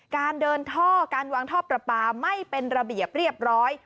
การเดินท่อการวางท่อประปาไม่เป็นระเบียบเรียบร้อย